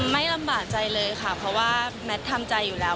ไม่ลำบากใจเลยค่ะเพราะว่าแมททำใจอยู่แล้ว